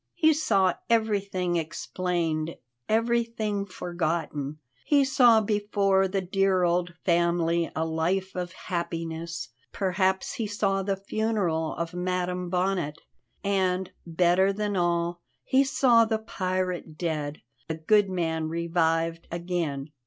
He saw everything explained, everything forgotten. He saw before the dear old family a life of happiness perhaps he saw the funeral of Madam Bonnet and, better than all, he saw the pirate dead, the good man revived again.